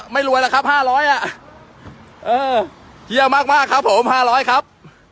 ไม่รวยแล้วครับห้าร้อยอ่ะเออเหี้ยมากมากครับผมห้าร้อยครับ